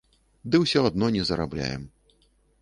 Ды ўсё адно не зарабляем.